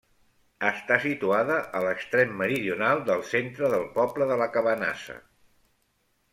Està situada a l'extrem meridional del centre del poble de la Cabanassa.